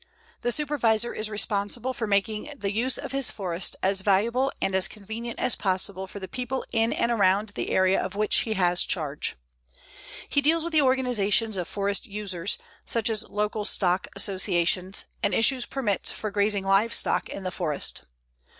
The Supervisor is responsible for making the use of his forest as valuable and as convenient as possible for the people in and around the area of which he has charge. He deals with the organizations of forest users, such as local stock associations, and issues permits for grazing live stock in the forest.